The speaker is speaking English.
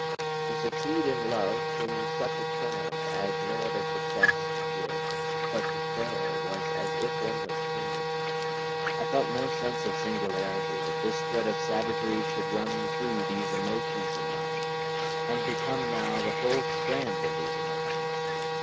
To succeed in love seemed such triumph as no other success could give, but to fail was as if one was tainted. ... I felt no sense of singularity that this thread of savagery should run through these emotions of mine and become now the whole strand of these emotions.